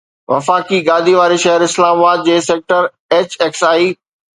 وفاقي گادي واري شهر اسلام آباد جي سيڪٽر HXI